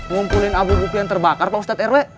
ngumpulin abu bupi yang terbakar pak ustad rw